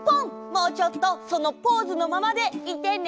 もうちょっとそのポーズのままでいてね。